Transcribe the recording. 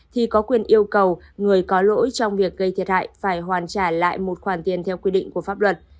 thì có quyền yêu cầu người có lỗi trong việc gây thiệt hại phải hoàn trả lại một khoản tiền theo quy định của pháp luật